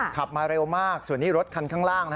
ขับมาเร็วมากส่วนนี้รถคันข้างล่าง